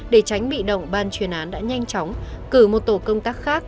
để tránh bị động ban chuyên án đã nhanh chóng cử một tổ công tác khác